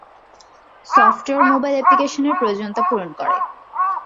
Software mobile অ্যাপ্লিকেশনের প্রয়োজনীয়তা পূরণ করে।